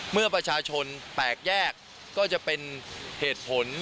เมื่อประชาชนแตกแยกก็จะเป็นเหตุผล